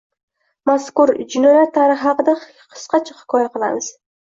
Bugun mazkur jinoyat tarixi haqida hikoya qilamiz.